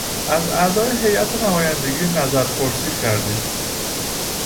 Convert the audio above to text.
از اعضای هیات نمایندگی نظر پرسی کردیم.